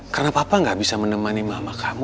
karena papa gak bisa menemani mama kamu